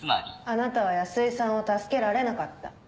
あなたは安井さんを助けられなかった。